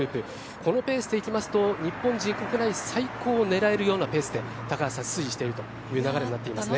このペースで行きますと日本人国内最高を狙えるようなペースで高橋さん、推移しているという流れになっていますね。